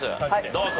どうぞ。